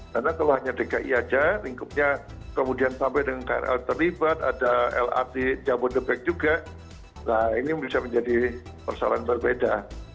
karena kalau hanya dki saja lingkupnya kemudian sampai dengan krl terlibat ada lrt jabodetabek juga nah ini bisa menjadi persoalan berbeda